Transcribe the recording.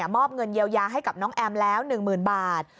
มอบเงินเยียวยาให้กับน้องแอมแล้ว๑๐๐๐บาท